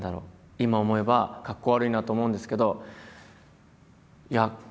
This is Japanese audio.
今思えばかっこ悪いなと思うんですけど。